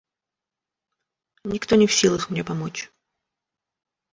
— Никто не в силах мне помочь.